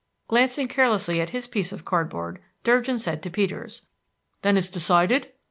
Glancing carelessly at his piece of card board, Durgin said to Peters, "Then it's decided?"